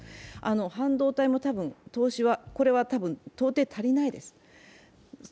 半導体も多分投資は、たぶん到底足りないです。